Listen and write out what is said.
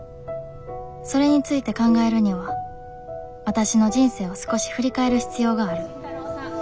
それについて考えるにはわたしの人生を少し振り返る必要がある。